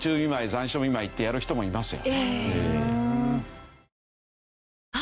残暑見舞いってやる人もいますよ。